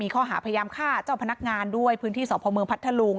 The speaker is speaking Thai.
ฆ่าเจ้าพนักงานด้วยพื้นที่สพเมืองพัทธลุง